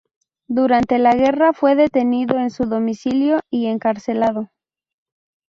Durante la guerra fue detenido en su domicilio y encarcelado.